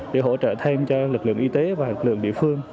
để hỗ trợ thêm cho lực lượng y tế và lực lượng địa phương